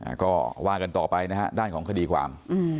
อ่าก็ว่ากันต่อไปนะฮะด้านของคดีความอืม